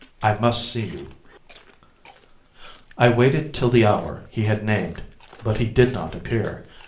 I must see you." I waited till the hour he had named, but he did not appear.